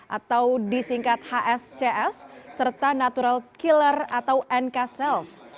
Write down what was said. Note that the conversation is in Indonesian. atau disingkat hscs serta natural killer atau nk sales